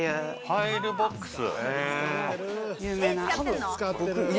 ファイルボックス。